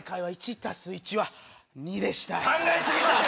考え過ぎた。